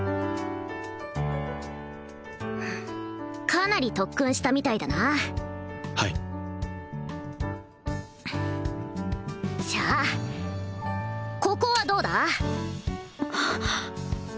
かなり特訓したみたいだなはいじゃあここはどうだ？